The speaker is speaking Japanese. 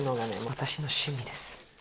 私の趣味です。